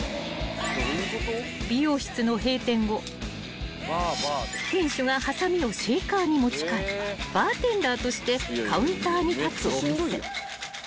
［美容室の閉店後店主がはさみをシェーカーに持ち替えバーテンダーとしてカウンターに立つお店］